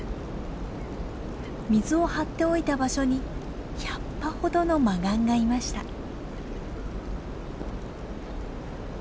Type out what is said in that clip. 水を張っておいた場所に１００羽ほどのマガンがいました。